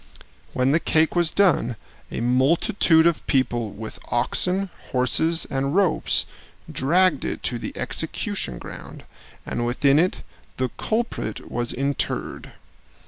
When the cake was done, a multitude of people with oxen, horses, and ropes dragged it to the execution ground, and within it the culprit was interred.